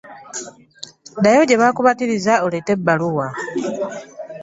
Ddayo gye baakubatiriza oleete ebbaluwa.